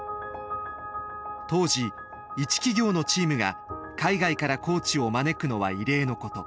当時一企業のチームが海外からコーチを招くのは異例のこと。